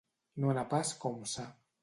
No anar pas com ça.